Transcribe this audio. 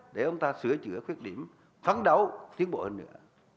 để ông ta sửa chữa khuyết điểm phấn đấu thiên bộ hơn nữa